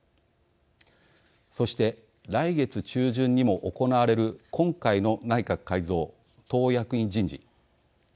そして、来月中旬にも行われる今回の内閣改造、党役員人事。